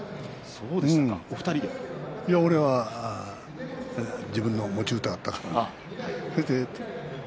僕は自分の持ち歌がありましたからね。